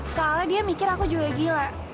soalnya dia mikir aku juga gila